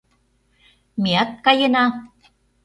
Меат каена.